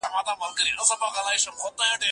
هغه وويل چي ليکنه مهمه ده؟